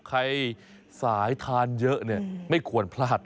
สายทานเยอะเนี่ยไม่ควรพลาด